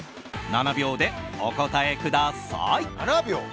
７秒でお答えください。